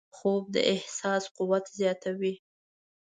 خوب د احساس قوت زیاتوي